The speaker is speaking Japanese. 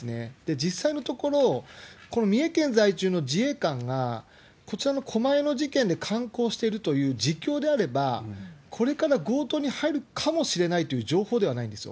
実際のところ、この三重県在住の自衛官が、こちらの狛江の事件で敢行しているという自共であれば、これから強盗に入るかもしれないという情報ではないんですよ。